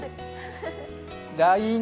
ＬＩＮＥ